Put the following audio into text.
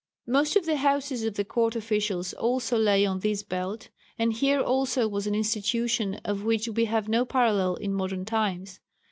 Most of the houses of the court officials also lay on this belt, and here also was an institution of which we have no parallel in modern times.